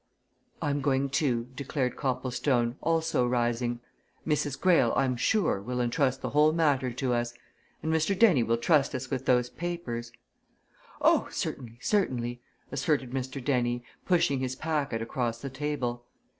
"I'm going, too," declared Copplestone, also rising. "Mrs. Greyle, I'm sure will entrust the whole matter to us. And Mr. Dennie will trust us with those papers." "Oh, certainly, certainly!" asserted Mr. Dennie, pushing his packet across the table.